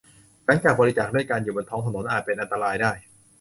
หลังจากบริจาคเลือดการอยู่บนท้องถนนอาจเป็นอันตรายได้